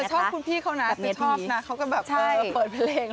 ชอบคุณพี่เขานะจะชอบนะเขาก็แบบว่าเปิดเพลง